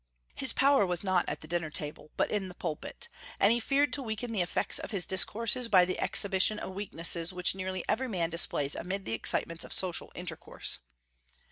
His power was not at the dinner table but in the pulpit, and he feared to weaken the effects of his discourses by the exhibition of weaknesses which nearly every man displays amid the excitements of social intercourse.